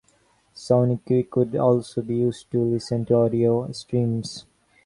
Sonique could also be used to listen to audio streams.